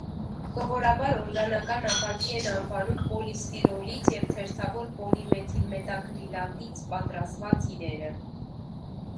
Սովորաբար օրգանական ապակի են անվանում պոլիստիրոլից և թերթավոր պոլիմեթիլմետակրիլատից պատրաստված իրերը։